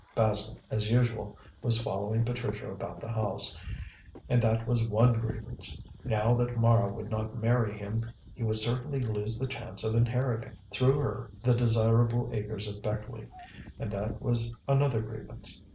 Basil, as usual, was following Patricia about the house, and that was one grievance. Now that Mara would not marry him he would certainly lose the chance of inheriting, through her, the desirable acres of Beckleigh, and that was another grievance.